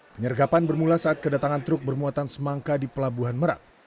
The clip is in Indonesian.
penyergapan bermula saat kedatangan truk bermuatan semangka di pelabuhan merak